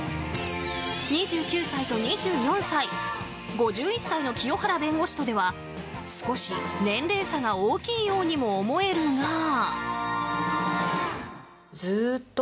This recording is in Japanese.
２９歳と２４歳５１歳の清原弁護士とでは少し年齢差が大きいようにも思えるが。